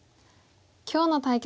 今日の対局